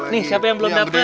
nih siapa yang belum dapet